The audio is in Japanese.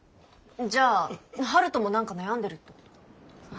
じゃあ陽斗も何か悩んでるってこと？